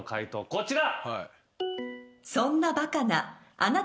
こちら。